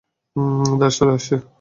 দাস, চলে আসছে।